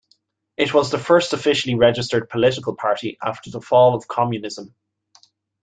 It was the first officially registered political party after the fall of Communism.